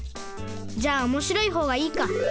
じゃあおもしろいほうがいいか。